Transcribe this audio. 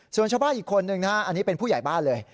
ส่วนชาวบ้านอีกคนนึงนะฮะอันนี้เป็นผู้ใหญ่บ้านเลย